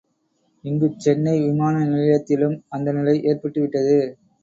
இங்குச் சென்னை விமான நிலையத்திலும் அந்த நிலை ஏற்பட்டுவிட்டது.